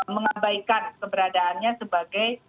mengabaikan keberadaannya sebagai